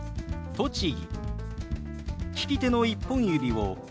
「栃木」。